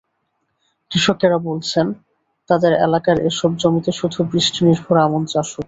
কৃষকেরা বলছেন, তাদের এলাকার এসব জমিতে শুধু বৃষ্টিনির্ভর আমন চাষ হতো।